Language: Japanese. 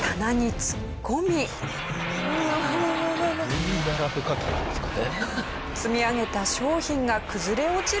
どういう並べ方なんですかね？